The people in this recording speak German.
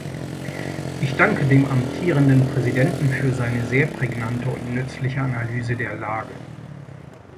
Ich danke dem amtierenden Präsidenten für seine sehr prägnante und nützliche Analyse der Lage.